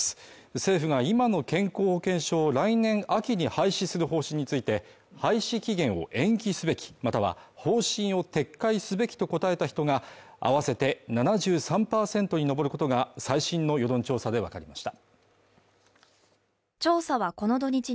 政府が今の健康保険証を来年秋に廃止する方針について、廃止期限を延期すべき、または方針を撤回すべきと答えた人が合わせて７３％に上ることが最新の世論調査でわかりました。